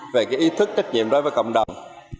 về cái ý thức trách nhiệm đối với cộng đồng